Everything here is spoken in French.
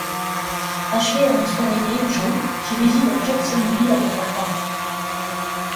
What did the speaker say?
Ashley a un frère aîné, Joe, qui réside à Jacksonville avec leurs parents.